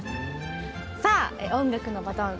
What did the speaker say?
さあ音楽のバトン